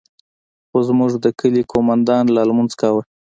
خو زموږ د كلي قومندان لا لمونځ كاوه.